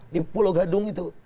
di pulau gadung itu